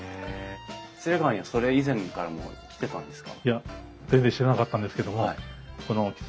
喜連川にはそれ以前からも来てたんですか？